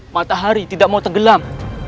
matahari tidak mau tergelam